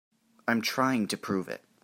I'm trying to prove it.